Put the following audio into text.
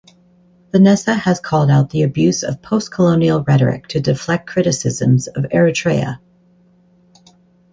Vanessa has called out the (ab)use of postcolonial rhetoric to deflect criticisms off Eritrea.